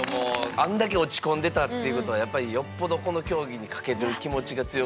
あんだけ落ち込んでたっていうことはやっぱりよっぽどこの競技にかける気持ちが強かったんやと思いますけども。